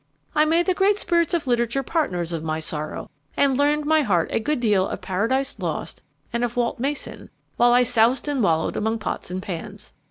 I made the great spirits of literature partners of my sorrow, and learned by heart a good deal of Paradise Lost and of Walt Mason, while I soused and wallowed among pots and pans.